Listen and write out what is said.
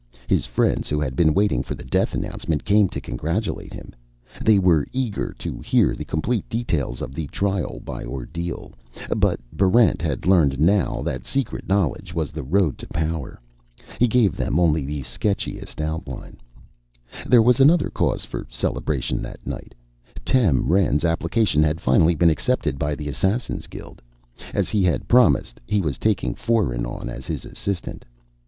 His friends, who had been waiting for the death announcement, came to congratulate him. They were eager to hear the complete details of the Trial by Ordeal; but Barrent had learned now that secret knowledge was the road to power. He gave them only the sketchiest outline. There was another cause for celebration that night. Tem Rend's application had finally been accepted by the Assassin's Guild. As he had promised, he was taking Foeren on as his assistant.